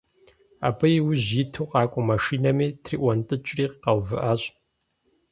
Абы иужь иту къакӀуэ машинэми, триӀуэнтӀыкӀри къэувыӀащ.